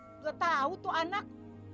nggak tahu tuh anak